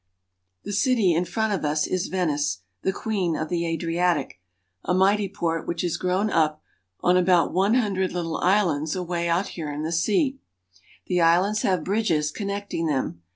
The city in front of us is Venice, the Queen of the Adri atic, a mighty port which has grown up on about one hun dred little islands away out here in the sea. The islands have bridges connecting them.